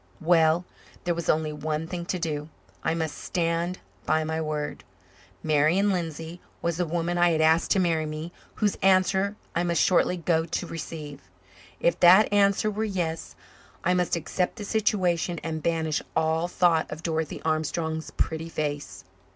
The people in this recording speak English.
Well, there was only one thing to do. I must stand by my word. Marian Lindsay was the woman I had asked to marry me, whose answer I must shortly go to receive. If that answer were "yes" I must accept the situation and banish all thought of Dorothy Armstrong's pretty face.